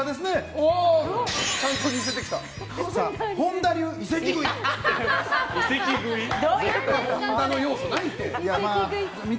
本田の要素ないって。